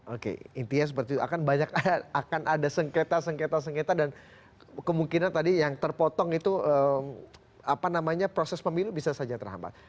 oke intinya seperti itu akan banyak akan ada sengketa sengketa sengketa dan kemungkinan tadi yang terpotong itu apa namanya proses pemilu bisa saja terhambat